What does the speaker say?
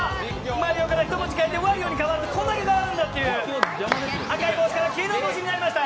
マリオから１文字変わってワリオになるという、こんだけ変わるんだという、赤い帽子から黄色い帽子になりました。